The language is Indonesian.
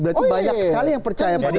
berarti banyak sekali yang percaya